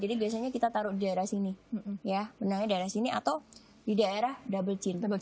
jadi biasanya kita taruh di daerah sini ya benangnya di daerah sini atau di daerah double chin